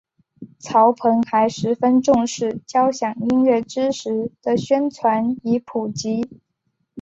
曹鹏还十分重视交响音乐知识的宣传与普及。